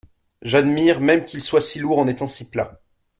J'admire même qu'il soit si lourd en étant si plat.